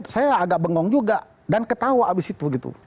saya agak bengong juga dan ketawa abis itu gitu